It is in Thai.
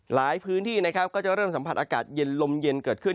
หลายพื้นที่นะครับก็จะเริ่มสัมผัสอากาศเย็นลมเย็นเกิดขึ้น